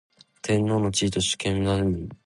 天皇の地位と主権在民